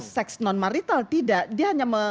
seks non marital tidak dia hanya